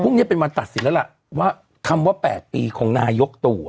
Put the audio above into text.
พรุ่งนี้เป็นวันตัดสินแล้วล่ะว่าคำว่าแปดปีของนายกตู่อ่ะ